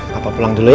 papa pulang dulu ya